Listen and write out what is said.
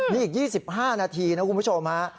นี่อีก๒๕นาทีนะคุณผู้ชมฮะ